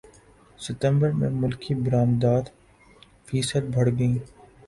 ستمبر میں ملکی برمدات فیصد بڑھ گئیں